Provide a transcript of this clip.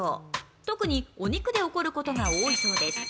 特にお肉で起こることが多いそうです。